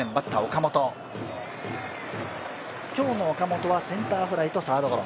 今日の岡本はセンターフライとサードゴロ。